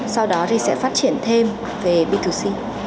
sau đó thì sẽ phát triển thêm về b hai c